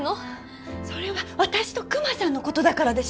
それは私とクマさんのことだからでしょ？